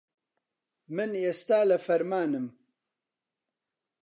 من ئێستا لە فەرمانم.